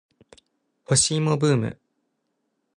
干し芋ブーム